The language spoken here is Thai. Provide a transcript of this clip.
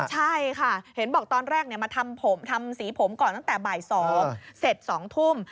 ใช่ค่ะเห็นบอกตอนแรกมาทำสีผมก่อนตั้งแต่บ่าย๒เสร็จ๒ทุ่ม